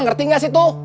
ngerti gak sih tuh